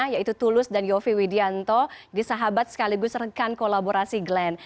yaitu tulus dan yofi widianto di sahabat sekaligus rekan kolaborasi glenn